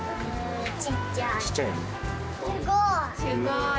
すごい！